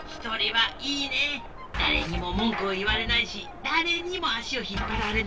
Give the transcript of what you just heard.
だれにももんくを言われないしだれにも足を引っぱられない。